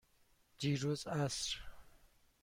دیروز عصر.